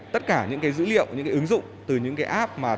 tất cả những dữ liệu những ứng dụng từ những app